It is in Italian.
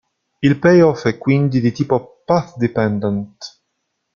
Il payoff è, quindi, di tipo path dependent.